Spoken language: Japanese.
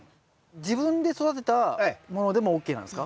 自分で育てたものでもＯＫなんですか？